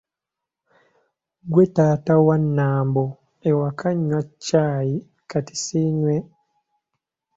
Gwe taata wa Nambo ewaka nywa caayi kati siinywe?”